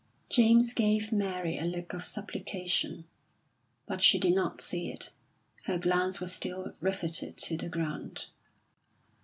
James gave Mary a look of supplication, but she did not see it; her glance was still riveted to the ground.